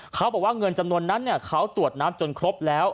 เขาบอกว่าเงินจำนวนนั้นเขาตรวจน้ำจนครบแล้ว